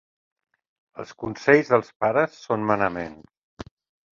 Els consells dels pares són manaments.